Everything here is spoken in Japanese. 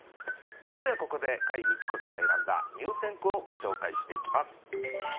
それではここで櫂未知子さんが選んだ入選句をご紹介していきます。